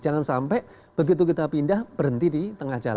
jangan sampai begitu kita pindah berhenti di tengah jalan